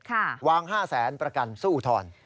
ค่ะวาง๕๐๐๐๐๐ประกันสู้อุทธรณ์